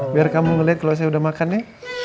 biar kamu ngeliat kalau saya udah makan ya